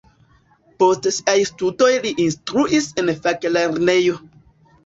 Post siaj studoj li instruis en faklernejo.